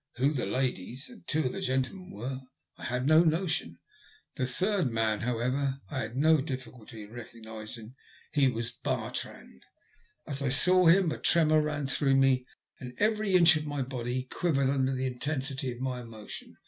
Who the ladies, and two of the gentlemen 44 THE LUST OF HATE. were I had no notion ; the third man, however, I had * no difficulty in recognising, he was Bartrand. As I saw him a tremoor ran through me, and every inch of my body quivered under the intensity of my emotion.